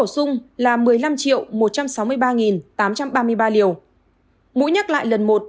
số liều tiêm cho trẻ từ một mươi hai một mươi bảy tuổi